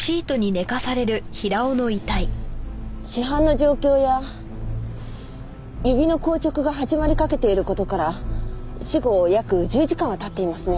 死斑の状況や指の硬直が始まりかけている事から死後約１０時間は経っていますね。